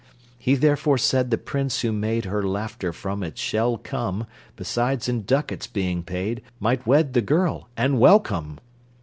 He therefore said the prince who made Her laughter from its shell come, Besides in ducats being paid, Might wed the girl, and welcome!